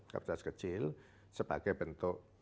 kapasitas kecil sebagai bentuk